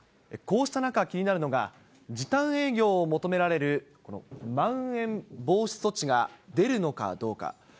こうした中、気になるのが、時短営業を求められるまん延防止措置が出るのかどうか。